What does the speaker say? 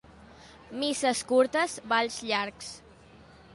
Misses curtes, balls llargs.